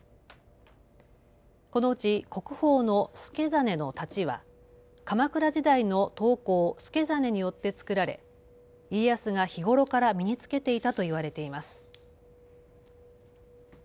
このうち国宝の助真の太刀は鎌倉時代の刀工、助真によって作られ、家康が日頃から身につけていたと言われています。